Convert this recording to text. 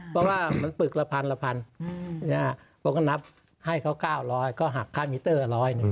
เพราะว่ามันปึกละพันละพันผมก็นับให้เขา๙๐๐ก็หักค่ามิเตอร์๑๐๐